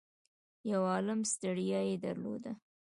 يو عالُم ستړيا يې درلوده.